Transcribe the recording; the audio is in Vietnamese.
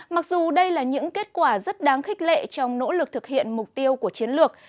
mặc dù đây là những kết quả rất đáng khích lệ trong nỗ lực thực hiện mục tiêu của chiến lược